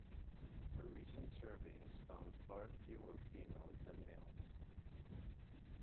A recent survey has found far fewer females than males.